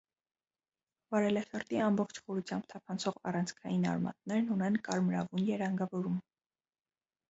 Վարելաշերտի ամբողջ խորությամբ թափանցող առանցքային արմատներն ունեն կարմրավուն երանգավորում։